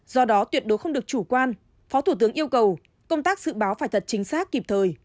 do đó tuyệt đối không được chủ quan phó thủ tướng yêu cầu công tác dự báo phải thật chính xác kịp thời